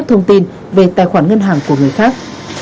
thông tin về tài khoản ngân hàng của người khác